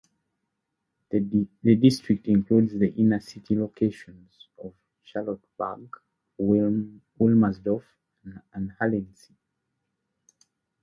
The district includes the inner city localities of Charlottenburg, Wilmersdorf and Halensee.